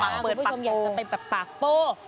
คุณผู้ชมอยากเป็นเป็นปากโป